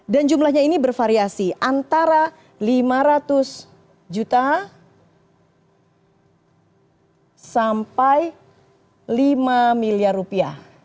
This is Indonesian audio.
dan jumlahnya ini bervariasi antara lima ratus juta sampai lima ratus